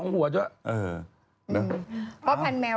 หมาหมาหมาหมาหมา